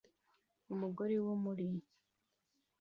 Umugore wo mur